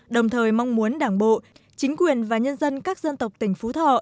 đồng thời mong muốn đảng bộ chính quyền và nhân dân các dân tộc tỉnh phú thọ